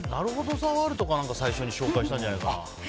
ザ・ワールド」かなんかで最初に紹介したんじゃないかな。